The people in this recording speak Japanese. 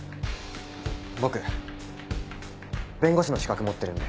僕弁護士の資格持ってるんで。